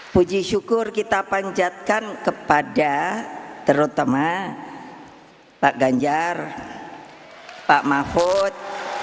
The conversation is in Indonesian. puji syukur kita panjatkan kepada terutama pak ganjar pak mahfud